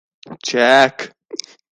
check